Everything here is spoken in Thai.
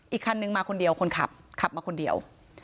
คันนึงมาคนเดียวคนขับขับมาคนเดียว